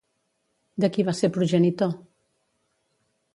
De qui va ser progenitor?